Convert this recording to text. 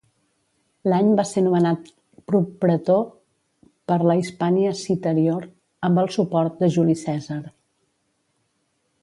L'any va ser nomenat propretor per la Hispània Citerior, amb el suport de Juli Cèsar.